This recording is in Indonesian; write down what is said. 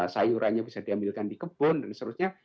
sayurannya bisa diambilkan di kebun dan seterusnya